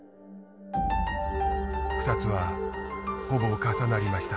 ２つはほぼ重なりました。